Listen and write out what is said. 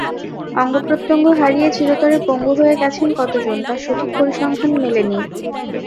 অঙ্গপ্রত্যঙ্গ হারিয়ে চিরতরে পঙ্গু হয়ে গেছেন কতজন, তার সঠিক পরিসংখ্যান মেলেনি।